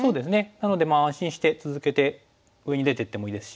なので安心して続けて上に出ていってもいいですし。